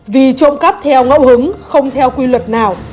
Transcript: vì trộm cắp theo ngẫu hứng không theo quy luật nào